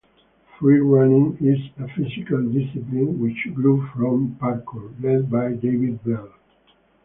Free running is a physical discipline which grew from Parkour, led by David Belle.